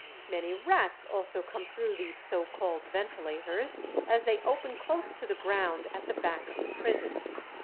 Many rats also come through these so called ventilators, as they open close to the ground at the back of the prison."